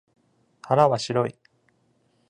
腹は白い。